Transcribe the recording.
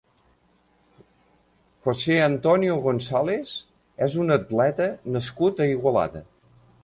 José Antonio González és un atleta nascut a Igualada.